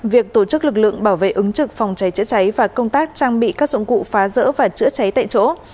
việc tổ chức lực lượng bảo vệ ứng trực phòng cháy chữa cháy và công tác trang bị các dụng cụ phá rỡ và chữa cháy tại chỗ